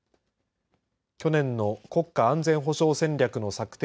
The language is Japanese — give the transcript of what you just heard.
去年の国家安全保障戦略の策定